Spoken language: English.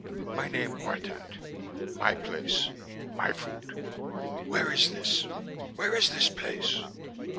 My name Hortat." "My place." "My food." "Where is this?" "Where is this place?"